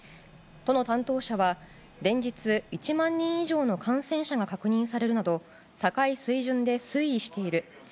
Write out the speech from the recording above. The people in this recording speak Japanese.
都の担当者は連日１万人以上の感染者が確認されるなど高い水準で推移している。